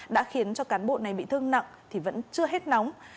đã khiến cho cán bộ này bị thương nặng thì vẫn chưa hết nóng